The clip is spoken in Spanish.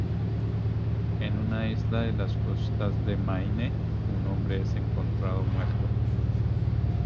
En una isla de las costas de Maine, un hombre es encontrado muerto.